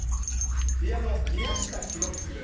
ピアノ、宮下博次。